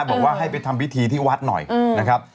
บอกว่าให้ไปทำพิธีที่วัดหน่อยนะครับ